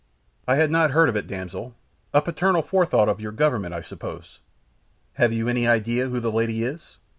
"I had not heard of it, damsel; a paternal forethought of your Government, I suppose? Have you any idea who the lady is?"